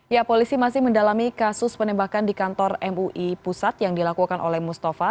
ya polisi masih mendalami kasus penembakan di kantor mui pusat yang dilakukan oleh mustafa